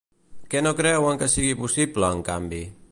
Què no creuen que sigui possible, en canvi?